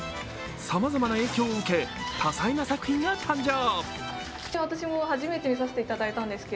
さまざまな影響を受け、多彩な作品が誕生。